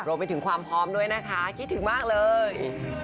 รวมไปถึงความพร้อมด้วยนะคะคิดถึงมากเลย